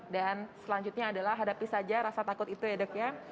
dan selanjutnya adalah hadapi saja rasa takut itu ya dok ya